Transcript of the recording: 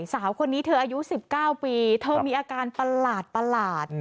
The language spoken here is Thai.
สาวคนนี้เธออายุ๑๙ปีเธอมีอาการประหลาด